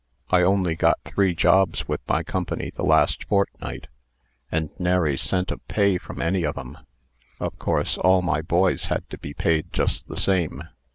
I only got three jobs with my company the last fortnight, and nary cent of pay from any of 'em. Of course, all my boys had to be paid just the same."